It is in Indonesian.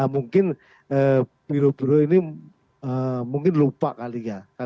mungkin biru biru ini mungkin lupa kan